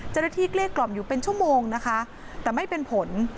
เกลี้ยกล่อมอยู่เป็นชั่วโมงนะคะแต่ไม่เป็นผล